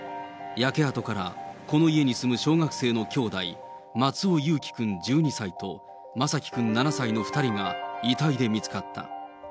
焼け跡からこの家に住む小学生の兄弟、松尾侑城君１２歳と眞輝君７歳の２人が遺体で見つかった。